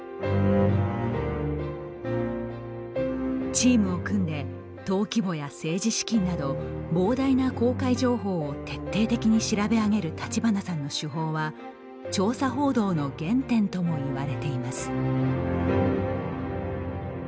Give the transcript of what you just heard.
チームを組んで登記簿や政治資金など膨大な公開情報を徹底的に調べ上げる立花さんの手法は調査報道の原点ともいわれています。